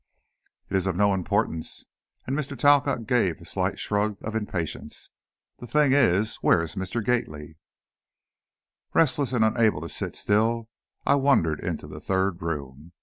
"It's of no importance," and Mr. Talcott gave a slight shrug of impatience; "the thing is, where is Mr. Gately?" Restless and unable to sit still, I wandered into the third room.